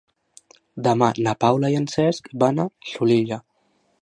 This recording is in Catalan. Demà na Paula i en Cesc van a Xulilla.